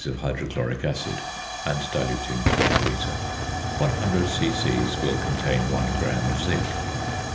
of hydrochloric acid, and diluting to 1 litre. One hundred c.c. will contain 1 gram of zinc.